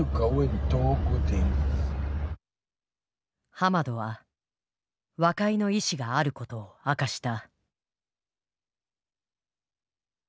ハマドは和解の意思があることを明かした。